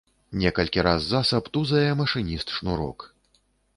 Некалькі раз засаб тузае машыніст шнурок.